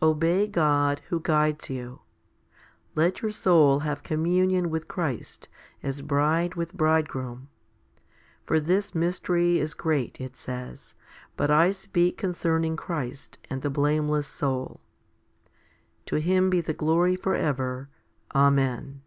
2 Obey God who guides you. Let your soul have com munion with Christ, as bride with bridegroom. For this mystery is great, it says ; but I speak concerning Christ and 3 the blameless soul. To Him be the glory for ever. Amen.